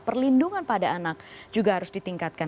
perlindungan pada anak juga harus ditingkatkan